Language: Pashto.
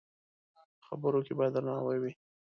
خبرو کې باید درناوی وي